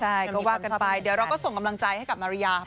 ใช่ก็ว่ากันไปเดี๋ยวเราก็ส่งกำลังใจให้กับมาริยา